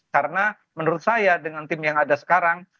karena menurut saya dengan tim yang ada sekarang